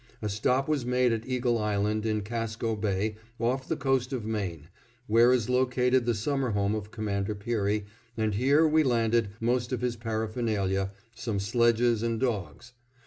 A stop was made at Eagle Island, in Casco Bay, off the coast of Maine, where is located the summer home of Commander Peary, and here we landed most of his paraphernalia, some sledges and dogs.